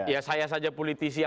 ya saya saja politisi aja